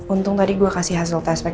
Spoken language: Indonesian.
untung tadi gue kasih hasil test pack